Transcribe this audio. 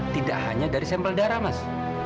tidak hanya dari sampel darah mas